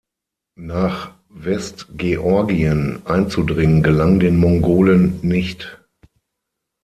Nach Westgeorgien einzudringen gelang den Mongolen nicht.